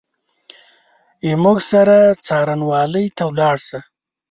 زموږ سره څارنوالۍ ته ولاړ شه !